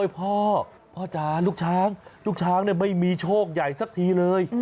พ่อพ่อจ๋าลูกช้างลูกช้างไม่มีโชคใหญ่สักทีเลย